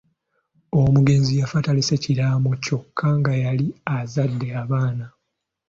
Omugenzi yafa talese kiraamo kyokka nga yali azadde abaana.